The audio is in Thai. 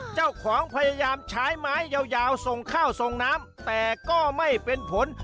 เจ้าของพยายามใช้ไม้ยาวส่งข้าวส่งน้ำแต่ก็ไม่เป็นผล